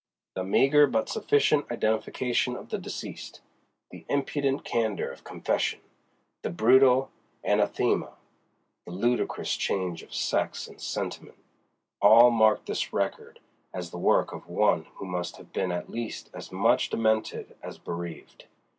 The meagre but sufficient identification of the deceased; the impudent candor of confession; the brutal anathema; the ludicrous change of sex and sentiment—all marked this record as the work of one who must have been at least as much demented as bereaved.